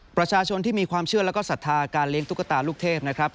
ประชาชนที่มีความเชื่อแล้วก็ศรัทธาการเลี้ยตุ๊กตาลูกเทพนะครับ